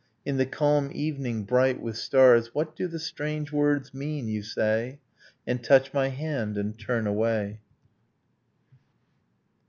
. In the calm evening bright with stars ...' What do the strange words mean? you say, And touch my hand, and turn away.